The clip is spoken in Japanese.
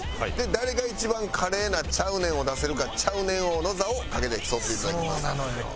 誰が一番華麗な「ちゃうねん」を出せるかちゃうねん王の座をかけて競って頂きます。